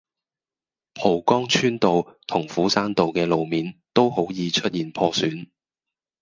蒲崗村道同斧山道嘅路面都好易出現破損